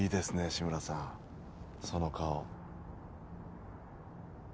志村さんその顔